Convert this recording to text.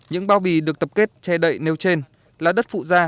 những bao bì được tập kết che đậy nêu trên là đất phụ gia